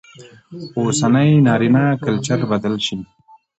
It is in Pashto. اوسنى نارينه کلچر بدل شي